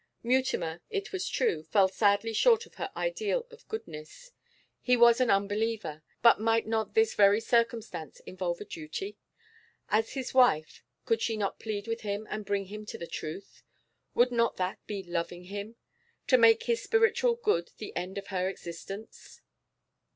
Mutimer, it was true, fell sadly short of her ideal of goodness. He was an unbeliever. But might not this very circumstance involve a duty? As his wife, could she not plead with him and bring him to the truth? Would not that be loving him, to make his spiritual good the end of her existence?